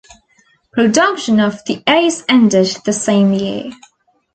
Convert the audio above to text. Production of the Ace ended the same year.